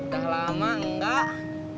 dah lama enggak